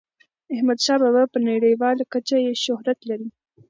احمد شاه بابا په نړیواله کچه شهرت لري.